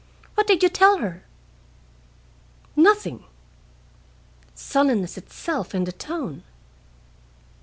What did you tell her?" "Nothing." Sullenness itself in the tone.